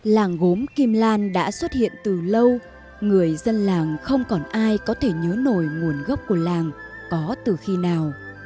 làng gốm kim lan đã xuất hiện từ lâu người dân làng không còn ai có thể nhớ nổi nguồn gốc của làng có từ khi nào